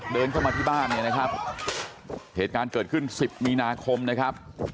เดินเข้ามาที่บ้านเนี่ยนะครับเหตุการณ์เกิดขึ้นสิบมีนาคมนะครับ